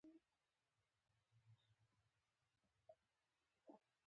د حیرتان دښتې ریګي دي